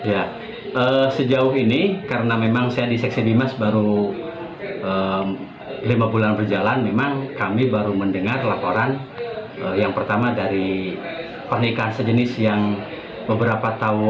ya sejauh ini karena memang saya di seksi dimas baru lima bulan berjalan memang kami baru mendengar laporan yang pertama dari pernikahan sejenis yang beberapa tahun